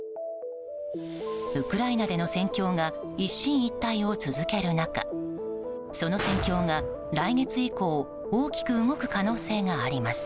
ウクライナでの戦況が一進一退を続ける中その戦況が来月以降大きく動く可能性があります。